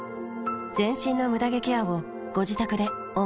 全身のムダ毛ケアをご自宅で思う存分。